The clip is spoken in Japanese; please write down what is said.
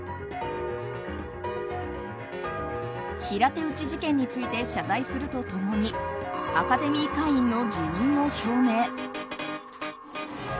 平手打ち事件について謝罪すると共にアカデミー会員の辞任を表明。